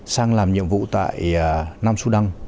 sang làm nhiệm vụ tại nam su đăng